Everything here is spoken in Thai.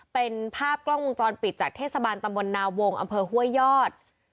เป็นภาพกล้องวงจรปิดจากเทศบาลตำบลนาวงอำเภอห้วยยอด